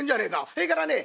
それからね